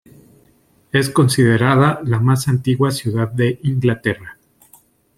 Es considerada la más antigua ciudad de Inglaterra.